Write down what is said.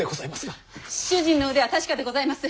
主人の腕は確かでございます！